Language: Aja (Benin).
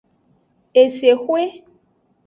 Esexwe.